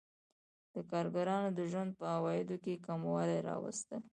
د کارګرانو د ژوند په عوایدو کې کموالی راوستل